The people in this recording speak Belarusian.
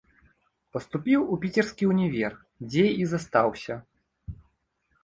Паступіў у піцерскі ўнівер, дзе і застаўся.